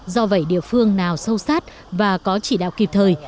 do vậy địa phương nào sâu sát và có chỉ đạo kịp thời